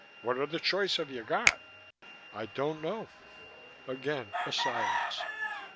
What other choice have you got?" "I don't know." Again a silence.